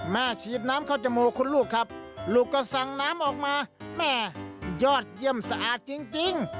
ฉีดน้ำเข้าจมูกคุณลูกครับลูกก็สั่งน้ำออกมาแม่ยอดเยี่ยมสะอาดจริง